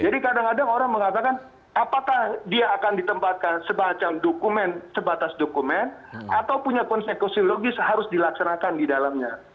jadi kadang kadang orang mengatakan apakah dia akan ditempatkan sebatas dokumen atau punya konsekuensi logis harus dilaksanakan di dalamnya